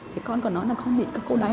thì con còn nói là không bị các cô đánh